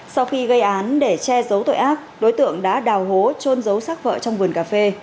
sau khi gây án để che giấu tội ác đối tượng đã đào hố trôn giấu sát vợ trong vườn cà phê